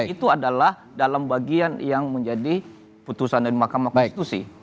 itu adalah dalam bagian yang menjadi putusan dari mahkamah konstitusi